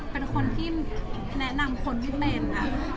เป็นคนที่แนะนำคนที่เป็น